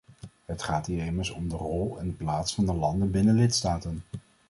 Het gaat hier immers om de rol en de plaats van landen binnen lidstaten.